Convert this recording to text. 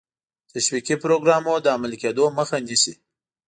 تشویقي پروګرامونو د عملي کېدو مخه نیسي.